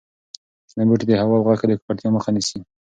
شنه بوټي د هوا او غږ د ککړتیا مخه نیسي.